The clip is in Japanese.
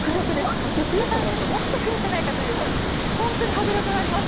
こちらから見ると落ちてくるんじゃないかと、本当に迫力があります。